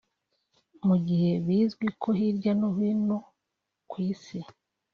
Mu gihe bizwi ko hirya no hino ku Isi